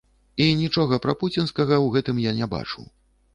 І нічога прапуцінскага ў гэтым я не бачу.